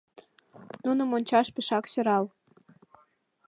Нуным ончаш пешак сӧрал.